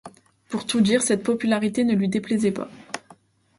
Pour tout dire, cette popularité ne lui déplaisait pas.